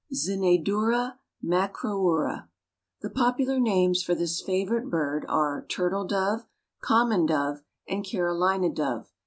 (Zenaidura macroura.) The popular names for this favorite bird are turtle dove, common dove, and Carolina dove.